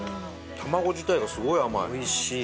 卵自体がすごい甘い。